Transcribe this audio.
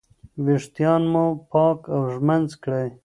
ویښتان مو پاک او ږمنځ کړئ.